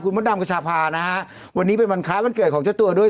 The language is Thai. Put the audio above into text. มดดำกระชาพานะฮะวันนี้เป็นวันคล้ายวันเกิดของเจ้าตัวด้วย